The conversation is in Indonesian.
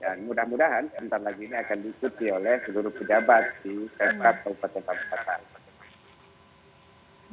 dan mudah mudahan sebentar lagi ini akan diserti oleh seluruh pejabat di kabupaten pemekasan